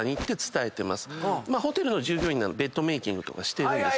ホテルの従業員なのでベッドメーキングとかしてるんですよね。